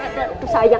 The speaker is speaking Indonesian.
aku ada aku sayang